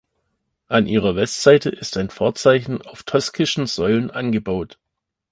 An ihrer Westseite ist ein Vorzeichen auf toskischen Säulen angebaut.